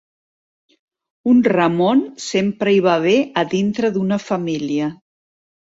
Un Ramon sempre hi va bé a dintre d'una família